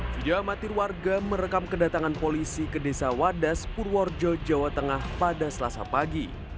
video amatir warga merekam kedatangan polisi ke desa wadas purworejo jawa tengah pada selasa pagi